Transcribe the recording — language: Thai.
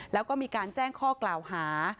แล้วก็มีการแจ้งข้อกล่าวหา